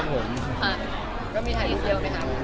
ก็เห็นแล้วไม่ใช่แล้ว